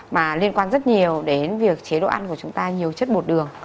mà liên quan rất nhiều đến việc chế độ ăn của chúng ta nhiều chất bột đường